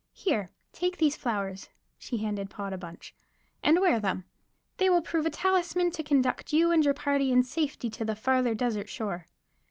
Here, take these flowers" (she handed Pod a bunch) "and wear them. They will prove a talisman to conduct you and your party in safety to the farther desert shore."